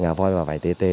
ngà voi và vẫy tê tê